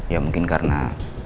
ya mungkin karena